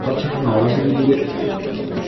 বন্ধুরা, ওরা ছোট না, ওরা শুধু দূরে আছে।